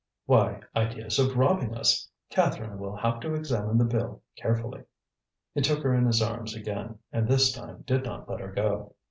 "Why, ideas of robbing us. Catherine will have to examine the bill carefully." He took her in his arms again, and this time did not let her go.